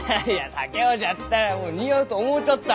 竹雄じゃったらもう似合うと思うちょった。